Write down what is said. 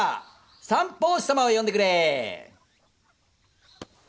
三法師様を呼んでくれ！